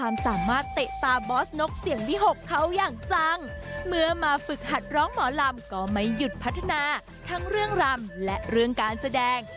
เมื่อมาฝึกหัดร้องหมอลำก็ไม่หยุดพัฒนาทั้งเรื่องรำและเรื่องการแสดง